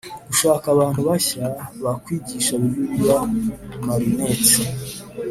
Gushaka abantu bashya bakwigisha bibiliya marinette